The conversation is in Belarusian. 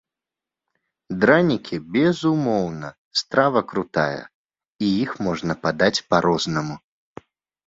Дранікі, безумоўна, страва крутая, і іх можна падаць па-рознаму.